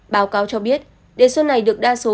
báo cáo cho biết đề xuất này được đa số